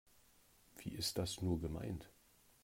Wie ist das nur gemeint?